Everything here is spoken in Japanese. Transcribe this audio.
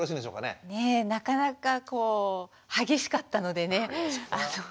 ねえなかなかこう激しかったのでね